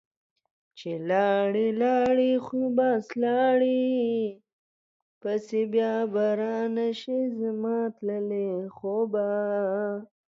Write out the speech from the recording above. چې لاړي لاړي خو بس لاړي پسي ، بیا به رانشي زما تللي خوبه